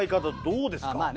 どうですか？